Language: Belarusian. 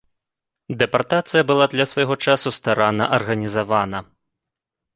Дэпартацыя была для свайго часу старанна арганізавана.